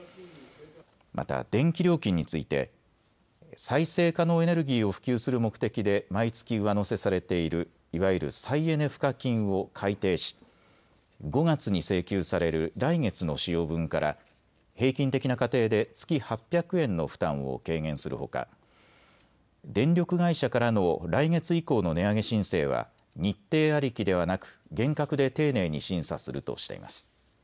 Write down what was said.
また電気料金について再生可能エネルギーを普及する目的で毎月上乗せされているいわゆる再エネ賦課金を改定し５月に請求される来月の使用分から平均的な家庭で月８００円の負担を軽減するほか電力会社からの来月以降の値上げ申請は日程ありきではなく厳格で丁寧に審査するとしています。